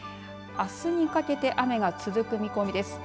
あすにかけて雨が続く見込みです。